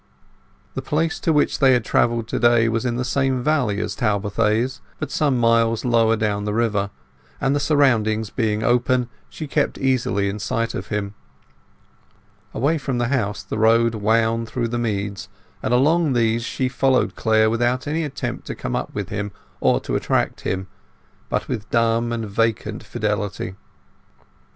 The place to which they had travelled to day was in the same valley as Talbothays, but some miles lower down the river; and the surroundings being open, she kept easily in sight of him. Away from the house the road wound through the meads, and along these she followed Clare without any attempt to come up with him or to attract him, but with dumb and vacant fidelity.